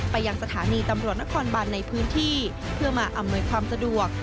ยังสถานีตำรวจนครบันในพื้นที่เพื่อมาอำนวยความสะดวก